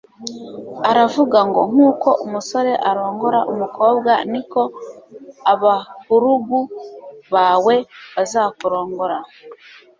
Aravuga ngo: «Nk'uko umusore arongora umukobwa ni ko abahurugu bawe bazakurongora;